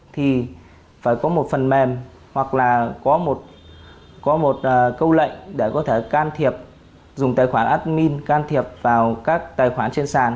thì phải có một phần mềm hoặc là có một câu lệnh để có thể can thiệp dùng tài khoản admin can thiệp vào các tài khoản trên sàn